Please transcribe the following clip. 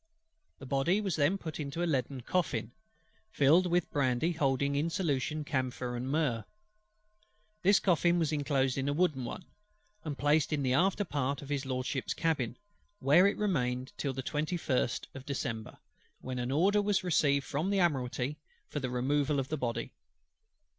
The Body was then put into a leaden coffin, filled with brandy holding in solution camphor and myrrh. This coffin was inclosed in a wooden one, and placed in the after part of HIS LORDSHIP'S cabin; where it remained till the 21st of December, when an order was received from the Admiralty for the removal of the Body.